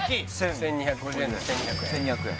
１２５０円で１２００円